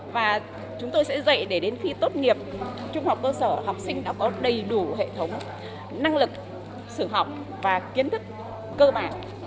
và chúng tôi sẽ dạy để đến khi tốt nghiệp trung học cơ sở học sinh đã có đầy đủ hệ thống năng lực sử học và kiến thức cơ bản